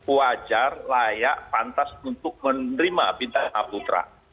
wajar layak pantas untuk menerima bintang aputra